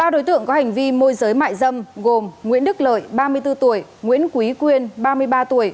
ba đối tượng có hành vi môi giới mại dâm gồm nguyễn đức lợi ba mươi bốn tuổi nguyễn quý quyên ba mươi ba tuổi